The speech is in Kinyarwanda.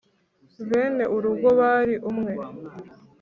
bene urugo bari umwe